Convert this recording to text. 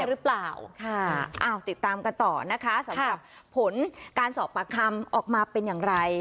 หรือเปล่าค่ะอ้าวติดตามกันต่อนะคะสำหรับผลการสอบปากคำออกมาเป็นอย่างไร